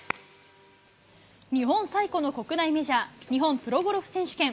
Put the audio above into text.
日本最古の国内メジャー、日本プロゴルフ選手権。